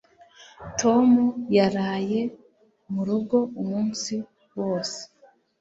tom yaraye murugo umunsi wose